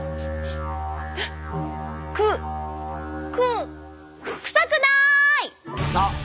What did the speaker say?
くくくさくない！